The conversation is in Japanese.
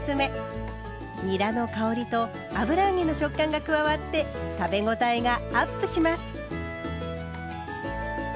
にらの香りと油揚げの食感が加わって食べごたえがアップします。